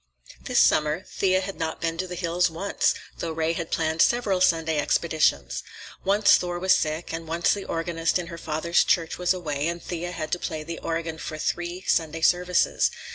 This summer Thea had not been to the hills once, though Ray had planned several Sunday expeditions. Once Thor was sick, and once the organist in her father's church was away and Thea had to play the organ for the three Sunday services.